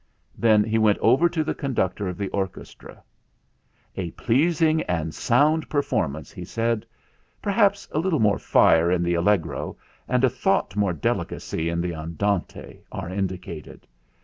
Then he went over to the conductor of the orchestra. "A pleasing and sound performance," he THE GRAND SEPTUOR 191 said. "Perhaps a little more fire in the allegro and a thought more delicacy in the andante are indicated.